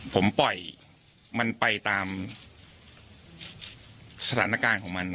ผมปล่อยมันไปตามสถานการณ์ของมัน